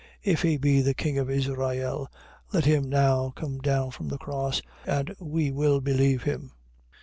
If he be the king of Israel, let him now come down from the cross: and we will believe him.